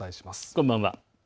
こんばんは。